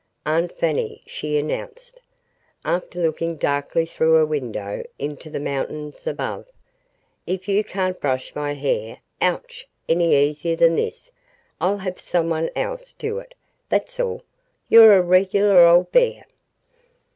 "Aunt Fanny," she announced, after looking darkly through her window into the mountains above, "if you can't brush my hair ouch! any easier than this, I'll have someone else do it, that's all. You're a regular old bear."